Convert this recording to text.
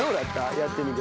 やってみて。